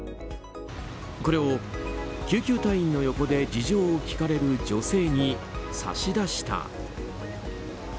これを救急隊員の横で事情を聴かれる女性に差し出した。